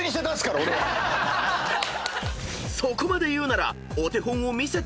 ［そこまで言うなら］